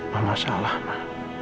mama salah ma